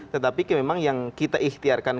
tetapi memang yang kita ikhtiarkan